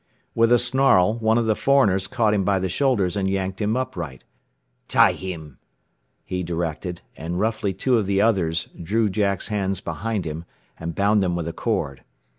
With a snarl one of the foreigners caught him by the shoulders and yanked him upright. "Tie heem!" he directed, and roughly two of the others drew Jack's hands behind him, and bound them with a cord.